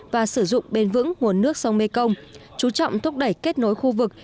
và sử dụng bền vững nguồn nước sông mekong chú trọng thúc đẩy kết nối khu vực